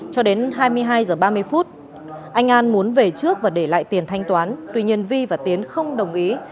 cho đến hai mươi hai h ba mươi phút anh an muốn về trước và để lại tiền thanh toán tuy nhiên vi và tiến không đồng ý